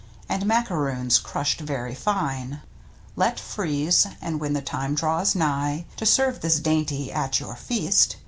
And macaroons crushed very fine. Let freeze ; and when the time draws nigh To serve this dainty at your feast.